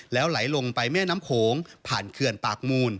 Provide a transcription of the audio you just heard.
แล้วไหลลงไปแม่น้ำโขงผ่านเขื่อนปากมูล